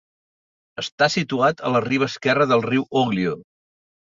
Està situat a la riba esquerra del riu Oglio.